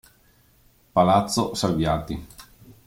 Palazzo Salviati